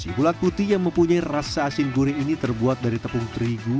si bulat putih yang mempunyai rasa asin gurih ini terbuat dari tepung terigu